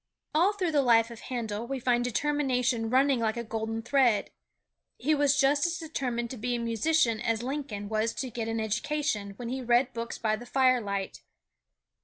All through the life of Handel we find determination running like a golden thread. He was just as determined to be a musician as Lincoln was to get an education when he read books by the firelight.